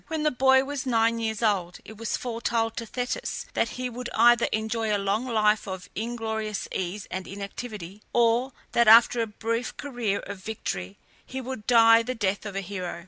When the boy was nine years old it was foretold to Thetis that he would either enjoy a long life of inglorious ease and inactivity, or that after a brief career of victory he would die the death of a hero.